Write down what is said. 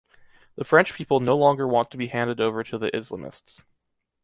The French people no longer want to be handed over to the Islamists.